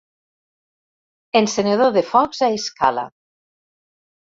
Encenedor de focs a escala.